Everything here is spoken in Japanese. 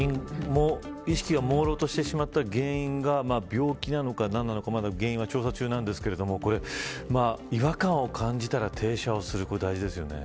意識がもうろうとしてしまった原因が病気なのか何なのかまだ、調査中なんですが違和感を感じたら停車をするこれは大事ですね。